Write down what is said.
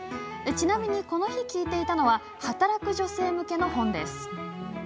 ちなみにこの日、聞いていたのは働く女性向けの本。